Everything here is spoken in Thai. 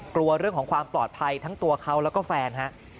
กลัวเรื่องของความปลอดภัยทั้งตัวเขาแล้วก็แฟนฮะ